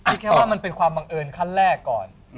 คิดว่ามันเป็นความบังเอิญขั้นแรกก่อน